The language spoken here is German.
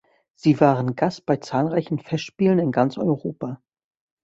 Sie waren Gast bei zahlreichen Festspielen in ganz Europa.